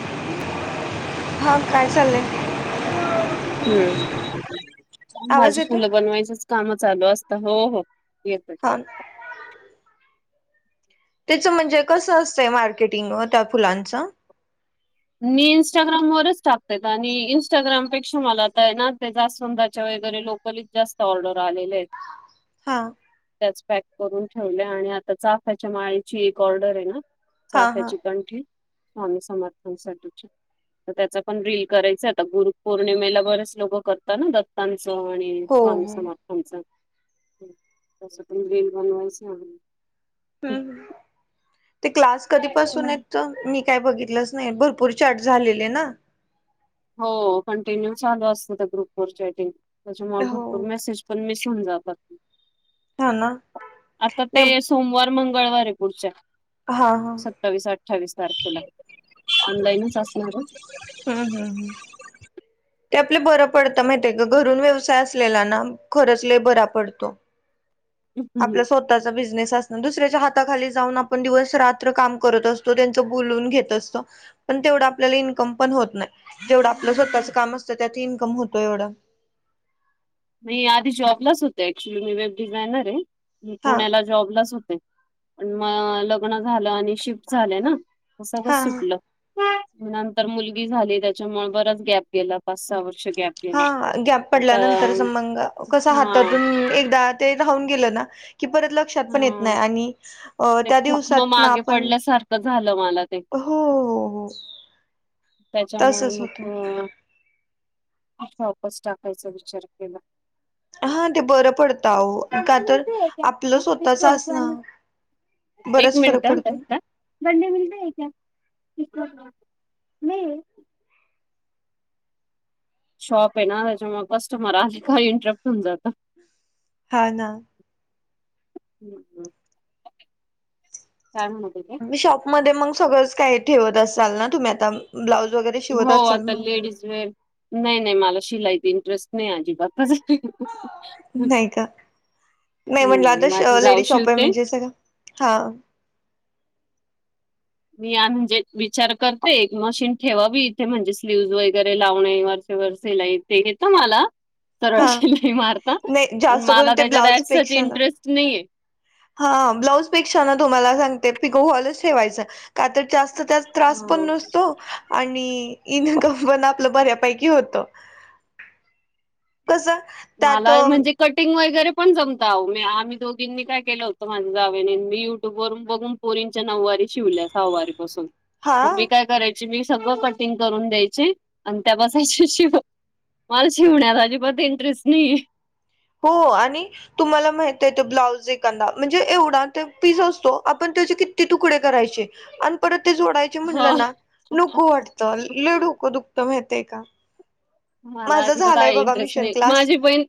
[unintelligible] हा काय चाललंय. हम्म चां आवाज भाज येतो फुलं बनवायचच काम चालू असत हो हो येत हां त्याचं म्हणजे कसं असतंय मार्केटिंग व त्या फुलांच मी इंस्टाग्रामवरच टाकते आणि इंस्टाग्रामपेक्षा मला आता ना स्वंदाच्या वगैरे लोक कच जास्त ऑर्डर आलेले आहेत हां त्याच पॅक करून ठेवल्या आणि आता चाफ्याच्या माळीची एक ऑर्डर आहे ना हा हा चाफ्याची कंठी स्वामी समर्थनसाठीची तर त्याचा पण रील करायच आता गुरु पौर्णिमेला, बरेच लोकं करतात ना दत्तांचं आणि हो स्वामी हो समर्थांच तस पण वेल बनवायचं हम् ते क्लास कधीपासून य तर मी काय बघितलंच नाही भरपूर ार्ट झालेले ना. हो कंटिन्यू चालू असत त्या ग्रुप वटिंग त्याच्यामुळे हो भरपूर मेसेज. पण मी समजा हा ना आता नाही ते, सोमवार मंगळवार आहे पुढच्या हा हा सत्तावीस अठ्ठावीस तारखेला ऑनलाईनच असणार हम्म हम हम् ते आपले बरं पडतं माहित आहे का, घरून व्यवसाय असलेला ना खरंचले बरा पडतो आपल्या स्वतः ह बिनेस अस दुसऱ्याच्या हाताखाली जाऊन आपण दिवस रात्र काम करत असतो त्यांच बोलून घेत असतो पण तेवढं आपल्याला इन्कम पण होत नाही जेवढं आपलं स्वतःच काम असतं त्यात इन्कम होतो एवढं ी आधी जॉबलाच होत क््युली मी वेब डिझायनर आहे मी हा पुण्याला जॉबलाच होते पण म लग्न झालं आणि शिफ्ट झाले ना सगळं हा सुटलं नंतर मुलगी झाली त्याच्यामुळे बराच गॅप गेला पाच सहा वर्ष गॅप हा गेला. गॅप आता पडल्यानंतरच मंग कस हा हातातून एकदा ते राून गे ना क परत पण येत हा नाही आणि ते त्या खूप मग दिवसात ना मागे आपण पडल्यासारखं झालं मला ते हो हो त्याच्यामुळे तसच मग होत त वापस टाकायचा विचार केला हा ते बरं पडत का बंडे तर मिलते है क्या? आप अ, आपलं किसको स्वतःच असण असं- बरच फरक पडतो गड मिते क म शॉप आहे ना त्याच्यामुळे कस्टमर आ काही इंटरप्ट होन जातं हा ना ह् ग म म शॉपमध्येध्ये मग सगळंच काही ठेवत असाल ना तुम्ही आता ब्लाऊज वगैरे शिवत हो असाल आता मग लेडीज नाही नाही मला शिलाईत इंटरेस्ट नाही अजिबातच नाही का नाही म्हटलं माझी आता जाऊ लेडी शॉप आहे शिवते म्हणजे सगळं हा मी या म्हणजे विचार करते एक मशीन ठेवावी इथे म्हणजे स्लीव्ह वगैरे लावणेवर ला य तेेत मला सर्व हा शि मारतात नाही पण जास्त मला करून ते ब्लाउज त्याच्यात ची पेक्षा ना इंटरेस्ट नाहीय हा ब्लाऊज पेक्षा ना तुम्हाला सांगते पिको हॉलच ठेवायचं का तर जास्त त्यात त्रास पण हो नसतो आणि इन्कम पण आपल्या बऱ्या ै होत कस मला म्हणजे कटिंग वगैरे पण जमता मी आम्ही दोघींनी काय केलं होतं माझं जावेने मी युट्यूब वरून बघून पोरींच्या नऊवारी शिवल्या सहावारी पासून मग हा मी काय करायच त्या मी सगळं कटिंग करून द्यायची आणि त्या बसाची श मला शिवण्या अजिबत इंटरेस्ट नाही हो आणि तुम्हाला माहित आहेेत ब्लाऊज एखादा म्हणजे एवढा ते पीस असतो आपण त्याचे किती तुकडे करायचे आणि परत ते जोडायचे म्हणलं ना हो. नको वाटतं लय डोकं दुखत माहितीये का. मला माझ अजिबात झालंय आय बघा इंटरेस्ट मिशन नाही. क्लास माझी बहीण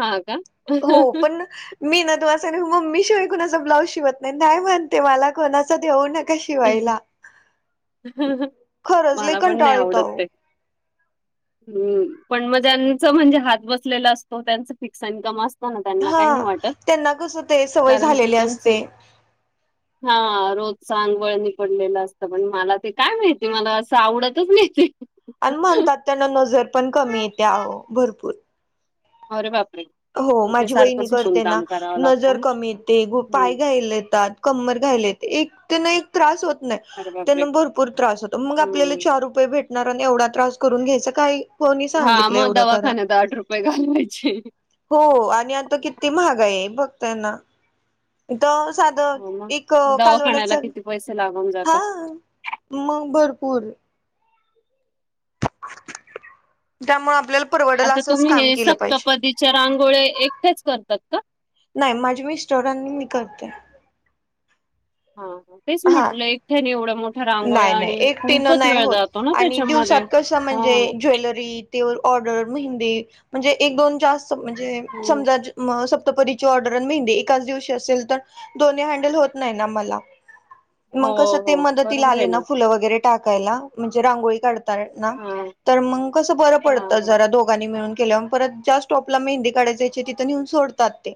हां का? हो पण मी ना तुम्हाला सांगू मम्मी शिवाय कोणाचा ब्लाऊज शिवत नाही नाय म्हणते मला कोणाच देऊ नक क शिवायला खरंच लय मला पण कंटाळा येतो अहो [unintelligible] हम्म पण मग ज्यांचं म्हणजे हात बसलेला असतो त्यांच फिक्स इन्कम अस हो ना त्यांना काही नाही हा वाटत त्यांना कसं ते सवय कारण ते झालेली त्यांचे असते हा रोजचा अनं वळणी पडलेलं असत पण मला ते काय माहिती मला असं आवडतच नाहीे ते आणि म्हणतात त्यांन नजर पण कमी येते अहो भरपूर आरे बापरे! हो मग ते माझी सारखं वहिनी झोपून करते ना काम करावं लागतं नजर ना. कमी येते हं. पाय घायला येतात कंमर घायला येत एक त्यांना एक त्रास होत नाही अरे बापरे! त्यांना भरपूर त्रास होत मग आपल्याला हं. चार रू रुपये भेटणार आणि एवढा त्रास करून घ्यायचा काय हा मग दवाखान्यात आठ रुपये घालवायचे. हो आणि आता किती महागाई आहे बघतायना. इथं साधं हो मग. एक कालवनाच दवाखान्याला किती पैसे लागुण जातात. मंग भरपूर त्यामुळ आपल्याला परवडेल आता असंच तुम्ही काम हे केलं पाहिजे सप्तपदीच्या रांगोळ्या एकट्याच करतात का? नाय माझे मिस्टर आणि मी करते. हा हा तेच म्हटलंय एकठ्याने एवढ मोठ नाय नाय एकटीन नाय होत ना आणि त्याच्यामध्ये. दिवसात कसं म्हणजे हां, ज्वेलरी ते ऑर्डर मेंहदी म्हणजे एक दोन जास्त म्हणजे हं. समजा ज म सप्तपरीची ऑर्डर आणि मेहंदी एकाच दिवशी असेल तर दोन्ही हँडल होत नाही ना मला हो मग कसं हो ब ते आली ना फुल वगैरे टाकायला म्हणजे रांगोळी काढ तर ना हां, हां, तर मंग कस बर पडत हां, जरा दोघांनी मिळून केल्यावर परत ज्या स्टॉपला मेहंदी काढायला जायचय तिथं नेऊन सोडतात ते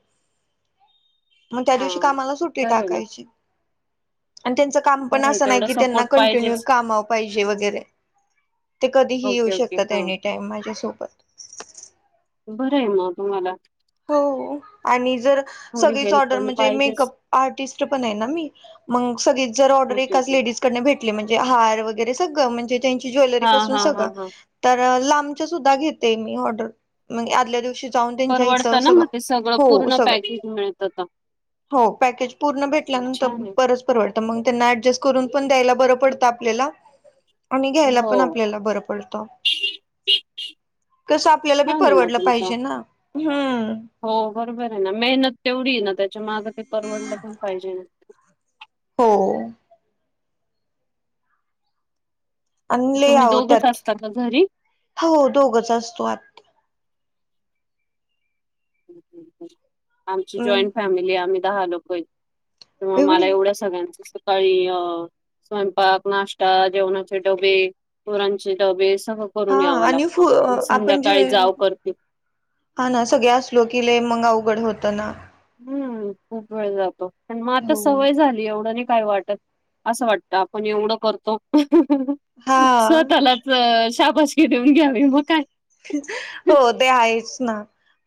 मग त्या दिवशी हां. कामाला सुट्टी बरं आहे ना. टाकायची आणि त्यांच काम पण बरं आहे असं नाय तेवढा की त्यांना सपोर्ट कंटिन्यू पाहिजेच. कामावर पाहिजे वगैरे ते कधीही येऊ ओके, ओके. शकतात हां. एनी ताय माझ्यासोबत बरं आहे मग तुम्हाला हो आणि जर थोडी सगळीच हेल्प ऑर्डर पण म्हणजे पाहिजेच. मेकअप आर्टिस्ट पण आहे ना मी मंग सगळीच जर ऑर्डर ओके, एकाच ओके. लेडीज कडन भेटली म्हणजे हार वगैरे सगळ म्हणजे त्यांची ज्वेलरी हां, पासून हां, सगळ हां, हां. तर लांबच्या सुद्धा घेते मी ऑर्डर म्हे आदल्या दिवशी जाऊन त्यांच्या इथं अ परवडतं ना सगळं मग ते हो पूर्ण सगळं पॅकेज मिळतं तर. हो पॅकेज पूर्ण भेटला न त छान आहे. प तरच परवडत मंग त्यांना ऍडजस्ट करून पण द्यायला बरं पडंत आपल्याला आणि घ्यायला हो, पण आपल्याला बरं पडतं. कस आपल्याला बी छान आहे मग परवडलं तुमचा पाहिजे ना हम्म. हो बरोबर आहे ना मेहनत तेवढी आहे ना त्याच्या मागं ते परवडलं का पाहिजे न. हो हो. आणि लय तुम्ही आहो दोघच त्यात असता का घरी? हो दोघच असतो आत आमची हम्म जॉईंट फॅमिली आहे आम्ही दहा लोकयेत त्यामुळ मला एवढी एवढं सगळ्यांच सकाळी अ स्वयंपाक नाश्ता जेवणाचे डबे पोरांचे डबे सगळं हा करून यावं आणि लागतं फु मग आपण जे संध्याकाळी जाव करते. हा ना सगळे अस लोकला मग अवघड होतं ना हम्म खूप वेळ जातो प मग आता हो सवय झाली एवढं नाही काय वाटत असं वाटत आपण एवढं करतो हा सत आला शाबशग देऊन घ्यावी मग काय हो ते आहेच ना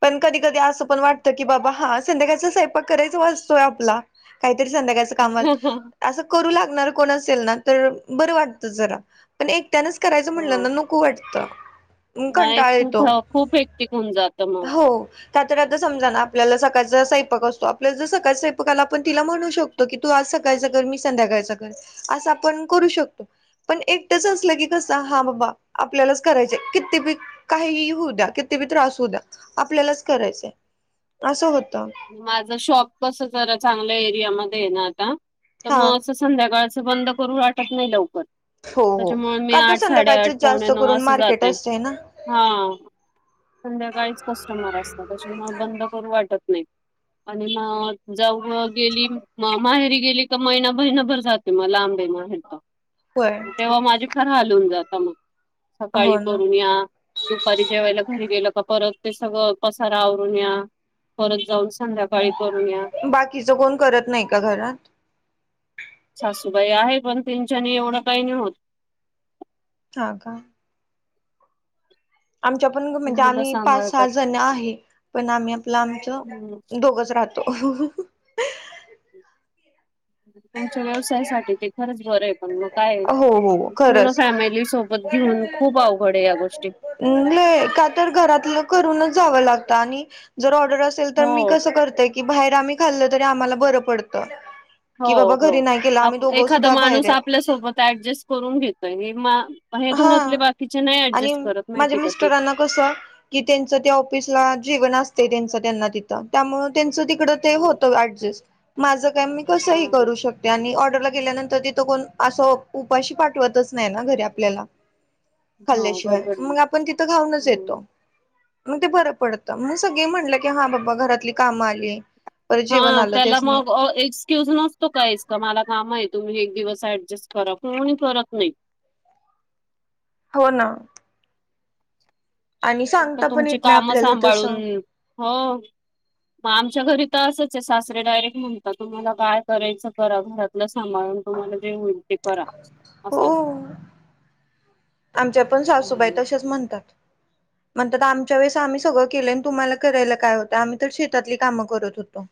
पण कधी कधी असं पण वाटत कि बाबा हा संध्याकाळचा स्वयपाक करायच वाचतोय आपला काहीतरी संध्याकाळच कामात ह असं करू लागणार कोण असेल ना तर बरं वाटतं जरा पण एकट्यानच करायचं म्हटलं ना नको वाटतं नाही कंटाळ येतो खूप खूप हेक्टिक होऊन जातं मग. हो त्यात आता समजा ना आपल्याला सकाळचा स साैपक असतो आपल्या जर सकाळ स्वैपका आला आपण तिला म्हणू शकतो की तू आज सकाळचा कर मी संध्याकाळचा कर असं आपण करू शकतो पण एकटंच असलं की कस हा बाबा आपल्यालाच करायचय किती बी काही होऊ द्या किती बी त्रास होऊ द्या आपल्यालाच करायचंय असं होतं माझं शॉप कस जरा चांगल्या एरियामध्येध्ये आहे ना आता तर हा मग असं संध्याकाळचं बंद करून वाटत नाही लवकर हो हो त्याच्यामुळे मी का तर आठ संध्याकाळच साडेआठ पावणे जास्त नऊ करून अस मार्केट जाते असतय ना हा संध्याकाळीच कस्टमर असतात तच्या मग बंद करू वाटत नाही आणि म जऊ गेली माहेरी गेली तर महिनाभहिनाभर जात तेिंवा लांबे मतो होय मग तेव्हा माझे खर हालून जात मग सकाळी हो ना करून या दुपारी ज्या वेळेला घरी गेलं का परत ते सगळं कसारा आवरून या परत जाऊन संध्याकाळी करून या बाकीचं कोण करत नाही का घरात सासूबाई आहे पण त्यांच्यानी एवढं काही नाही होत ह का आमच्या पण ते म्हणजे मुलं आम्ही पाच सांभाळतात. सहा जण आहे पण आम्ही आपलं हम्म. आमचं दोघच राहतो हो तुमच्या व्यवसायासाठी ते खरंच बरं आहे पण मग काय हो हो पूर्ण खरंच फॅमिली सोबत घेऊन खूप अवघड आहे या गोष्टी नाही का तर घरातलं करूनच जाव लागत आणि जर ऑर्डर अस असेल तर मी हो कसं करतय की बाहेर आम्ही खाल्ल तरी आम्हाला बरं पडतं हो की बाबा हो घरी नाही केलं आप आम्ही दोघं एखादा सुद्धा बाहेर माणूस आहे आपल्यासोबत ऍडजस्ट करून घेतोय हे घरातले हा बाकीचे नाही ऍडजस्ट करत माहिती का त्यां ज तथ त हा होत ड माझ का मी हा कसं हा. करू शकते आणि ऑर्डरला गेल्यानंतर कोण असं उपाशी पाठवतच नाही ना घरी आपल्याला हो खल्ल्याशिवाय बरोबर आहे. मग आपण तिथं खाऊनच हम्म. येतो मग ते बरं पडतं म्हण सगळे म्हटलं की हा बाबा घरातली कामं आली परत हा जेवण आलं त्याला त्यासनी मग एक ्युज नसतो काहीच का मला काम आहे तुम्ही एक दिवस ऍडजस्ट करा कोणी करत नाही हो ना आणि सांगता पण तुमची येत नाही काम आपल्याला सांभाळून तसं हो मग आमच्या घरी तर असंच आहे सासरे डायरेक्ट म्हणतात तुम्हाला काय करायचं करा घरात सांभाळून तुम्हाला जे होईल ते करा असं हो असत आमच्या पण सासूबाई असत तसेच म्हणतात म्हणतात तर आमच्या वेळेस आम्ही सगळं केलं तुम्हाला करायला काय होतं आम्ही तर शेतातली काम करत होतो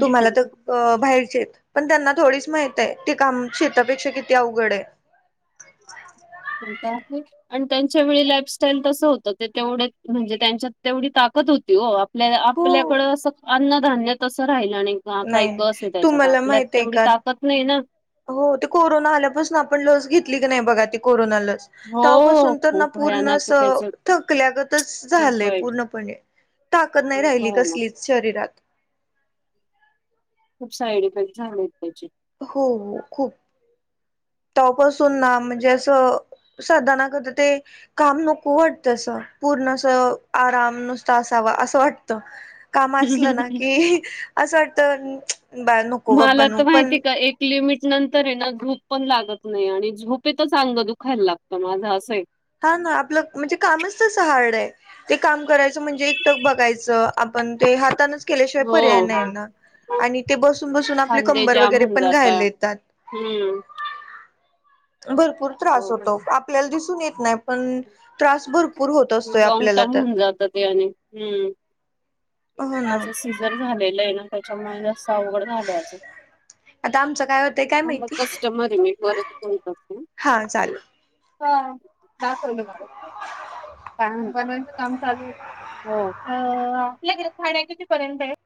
तुम्हाला तर अ बाहेरचेेत पण त्यांना थोडीच माहित आहे ते काम शेतापेक्षा किती अवघड आहे होलता आहे आणि त्यांच्या वेळी लाईफस्टाईल तसं होत ते तेवढ म्हणजे त्यांच्यात तेवढी ताकद होती आप हो आपल्याकडं असं अन्नधान्य तसं राहिलं नाही काही नाही कस आहे त्याच्यात तुम्हाला आपल्यात माहित आहे तेवढी का ताकत नाही ना हो ते कोरोना आल्यापासून आपण लस घेतली की नाही बघा ती कोरोना लस हो तवपासून तर ना खूप पूर्ण भयानक त्याच थकल्यागतच खूप झालंय वाईट पूर्णपणे ताकद नाही खूप राहिली भयानक कसलीच शरीरात खूप साईड इफेक्ट झालेत त्याचे हो खूप तवपासून ना म्हणजे असं साधणा करत ते काम नको वाटत अस पूर्ण अस आराम नुसत असावा असं वाटत काम असलं ना की असं वाटतं बार नको बाप्ब मला न तर माहिती पण आहे का एक लिमिट नंतर आहे ना झूप पण लागत नाही आणि झूप तर चांग दुखायला लागतं माझं असं आहे हा ना आपलं म्हणजे कामच तस हार्ड आहे ते काम करायचं म्हणजे एकटक बघायचं आपण ते हातानच केल्याशिवाय पर्याय हो नाही ना आणि ते बसून बसून आपले खांदे कंबर जाम वगैरे होऊन पण जाता घायला येतात हम्म भरपूर त्रास होतो आपल्याला दिसून येत नाही पण त्रास भरपू लॉग टर्म म्हणून जात ते आणि हम्म हो ना. माझ सिझर झालेलं आहे ना त्याच्यामुळे जास्त अवघड झा आल्याज आता आमचं काय होतंय काय आला माहिती कस्टमर मीट वरच कल करत हा चालेल. हा ना कोवले मार काम चालू आहे का हो आपल्याक ठाण्या कितीपर्यंत आहे